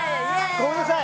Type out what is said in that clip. ごめんなさい